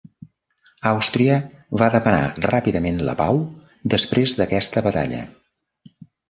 Àustria va demanar ràpidament la pau després d'aquesta batalla.